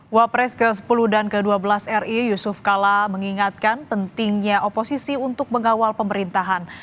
wapres ke sepuluh dan ke dua belas ri yusuf kala mengingatkan pentingnya oposisi untuk mengawal pemerintahan